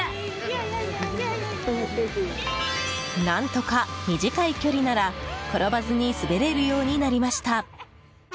何とか短い距離なら転ばずに滑れるようになりました。